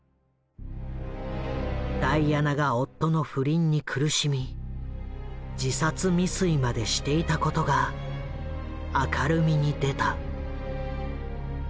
ダイアナが夫の不倫に苦しみ自殺未遂までしていたことが明るみに出た。